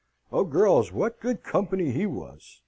"Oh, girls, what good company he was!